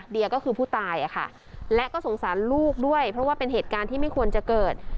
เดียก็คือผู้ตายอะค่ะและก็สงสารลูกด้วยเพราะว่าเป็นเหตุการณ์ที่ไม่ควรจะเกิด